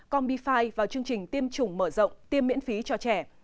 combi năm vào chương trình tiêm chủng mở rộng tiêm miễn phí cho trẻ